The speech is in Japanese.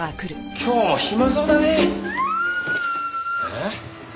「」えっ？